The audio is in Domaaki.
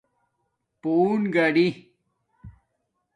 پݸن گاڑی